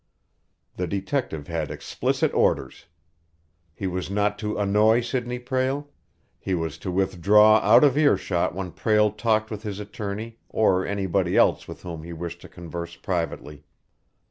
The detective had explicit orders. He was not to annoy Sidney Prale. He was to withdraw out of earshot when Prale talked with his attorney or anybody else with whom he wished to converse privately.